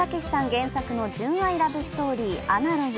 原作の純愛ラブストーリー「アナログ」。